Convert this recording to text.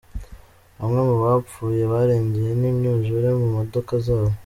Bamwe mu bapfuye barengewe n'imyuzure mu modoka zabo.